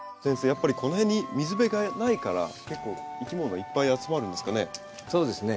やっぱりこの辺に水辺がないから結構いきものいっぱい集まるんですかね。